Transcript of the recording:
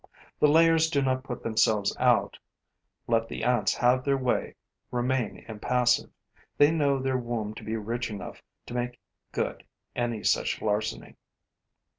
The layers do not put themselves out, let the ants have their way, remain impassive. They know their womb to be rich enough to make good any such larceny.